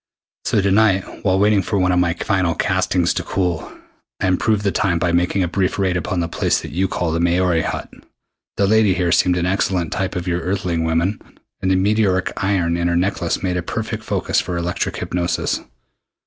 So to night, while waiting for one of my final castings to cool, I improved the time by making a brief raid upon the place that you call the Maori Hut. The lady here seemed an excellent type of your Earthling women, and the meteoric iron in her necklace made a perfect focus for electric hypnosis.